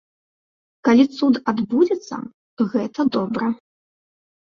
Калі цуд адбудзецца, гэта добра.